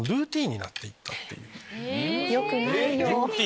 よくないよ。